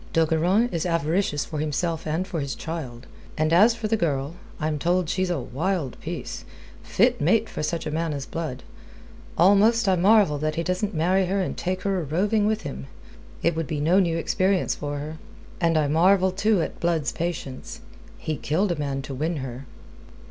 D'Ogeron is avaricious for himself and for his child. And as for the girl, I'm told she's a wild piece, fit mate for such a man as Blood. Almost I marvel that he doesn't marry her and take her a roving with him. It would be no new experience for her. And I marvel, too, at Blood's patience. He killed a man to win her."